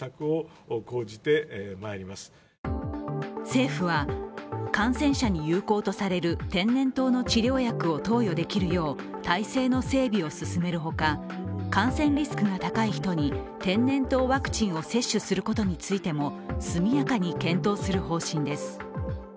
政府は、感染者に有効とされる天然痘の治療薬を投与できるよう体制の整備を進めるほか感染リスクが高い人に天然痘ワクチンを接種することについても速やかに検討する方針です。